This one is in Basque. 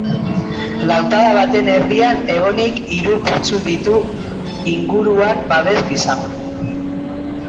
Lautada baten erdian egonik hiru putzu ditu inguruan babes gisa.